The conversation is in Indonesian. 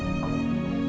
aku mau masuk kamar ya